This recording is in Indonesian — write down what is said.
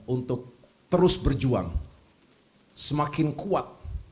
untuk terus berjuang semakin kuat